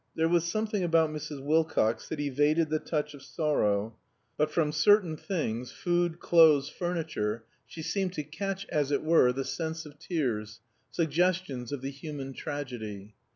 There was something about Mrs. Wilcox that evaded the touch of sorrow; but from certain things food, clothes, furniture she seemed to catch, as it were, the sense of tears, suggestions of the human tragedy.